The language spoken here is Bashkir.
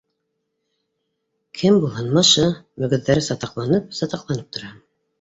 — Кем булһын, мышы, мөгөҙҙәре сатаҡланып-сатаҡла- нып тора